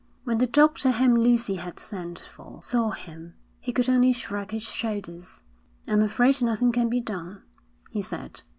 When the doctor whom Lucy had sent for, saw him, he could only shrug his shoulders. 'I'm afraid nothing can be done,' he said.